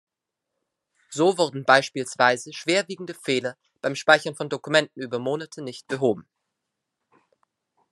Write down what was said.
So wurden beispielsweise schwerwiegende Fehler beim Speichern von Dokumenten über Monate nicht behoben.